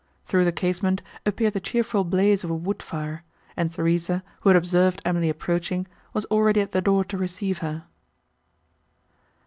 Through the casement appeared the cheerful blaze of a wood fire, and Theresa, who had observed Emily approaching, was already at the door to receive her.